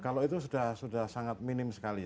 kalau itu sudah sangat minim sekali